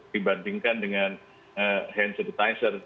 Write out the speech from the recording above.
dibandingkan dengan hand sanitizer